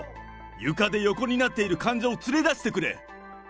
床で横になっている患者を連れ出してくれ。